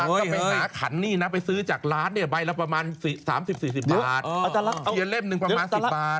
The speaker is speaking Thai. ก็ไปหาขันนี่นะไปซื้อจากร้านเนี่ยใบละประมาณ๓๐๔๐บาท